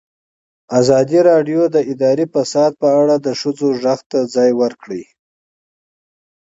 ازادي راډیو د اداري فساد په اړه د ښځو غږ ته ځای ورکړی.